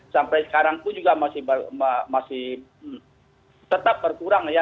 sampai sekarang pun juga masih tetap berkurang ya